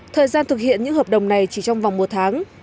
thời gian thực hiện những hợp đồng này chỉ trong vòng một tháng